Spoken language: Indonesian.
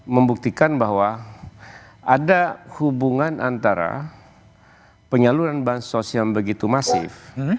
membuktikan bahwa ada hubungan antara penyaluran bansos yang begitu masif